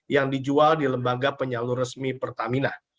yang dijual di lembaga penyalur resmi pertamina